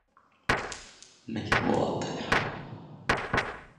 美国海军通用舰船分类符号是用来识别不同类别的舰船的代号。